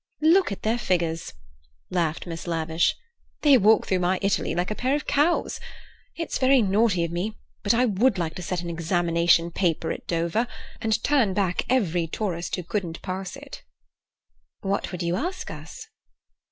"Look at their figures!" laughed Miss Lavish. "They walk through my Italy like a pair of cows. It's very naughty of me, but I would like to set an examination paper at Dover, and turn back every tourist who couldn't pass it." "What would you ask us?"